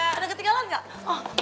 ada yang ketinggalan gak